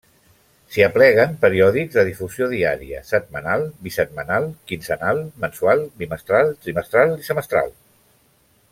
S'hi apleguen periòdics de difusió diària, setmanal, bisetmanal, quinzenal, mensual, bimestral, trimestral i semestral.